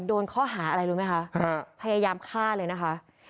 โดนข้อหาอะไรรู้ไหมคะพยายามฆ่าเลยนะคะ